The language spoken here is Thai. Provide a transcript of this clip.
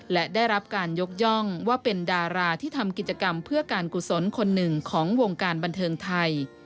และได้รับการยกย่องว่าเป็นดาราที่ทำกิจกรรมเพื่อการกุศลคนหนึ่งของวงการบันเทิงไทย